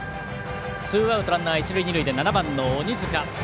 ツーアウトランナー、二塁一塁で７番の鬼塚。